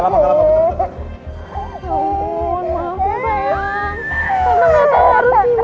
kita tungguin papa disini ya